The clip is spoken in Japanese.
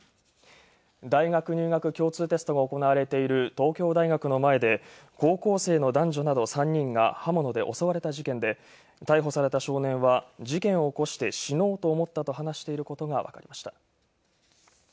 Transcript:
大学入学共通テストが行われている東京大学の前で高校生の男女など３人が刃物で襲われた事件で、逮捕された少年は「事件を起こして死のうと思った」と話していることがわかりました。